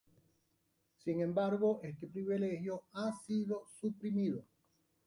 Sin embargo este privilegio ha sido suprimido.